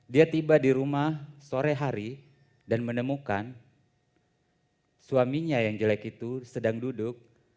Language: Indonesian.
dia tiba di rumah sore hari dan menemukan suaminya yang jelek itu sedang duduk